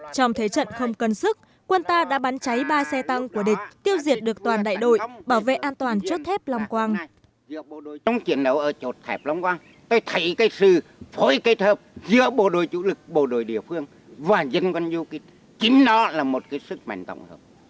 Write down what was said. trong thế trận không cân sức quân ta đã bắn cháy ba xe tăng của địch tiêu diệt được toàn đại đội bảo vệ an toàn chốt thép lòng quang